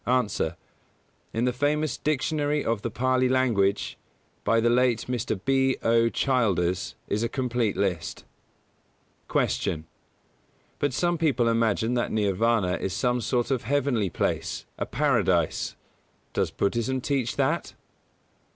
_ A. In the famous Dictionary of the Pālī Language, by the late Mr. B. O. Childers, is a complete list. 132. Q. _But some people imagine that Nirvāna is some sort of heavenly place, a Paradise. Does Buddhism teach that?